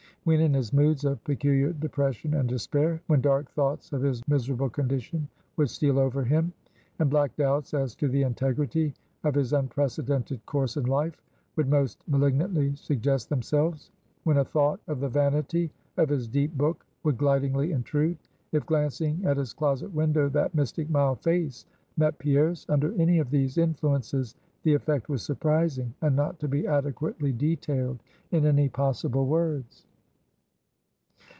When in his moods of peculiar depression and despair; when dark thoughts of his miserable condition would steal over him; and black doubts as to the integrity of his unprecedented course in life would most malignantly suggest themselves; when a thought of the vanity of his deep book would glidingly intrude; if glancing at his closet window that mystic mild face met Pierre's; under any of these influences the effect was surprising, and not to be adequately detailed in any possible words.